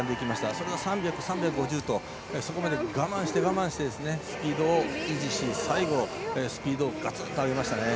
それを３００、３５０とそこまで我慢してスピードを維持して最後スピードをがつんと上げましたね。